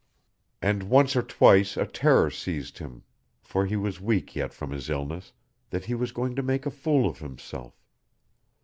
And once or twice a terror seized him for he was weak yet from his illness that he was going to make "a fool of himself."